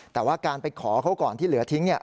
แต่ว่าการไปขอเขาก่อนที่เหลือทิ้งเนี่ย